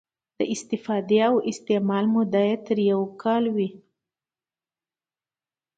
د استفادې او استعمال موده یې تر یو کال وي.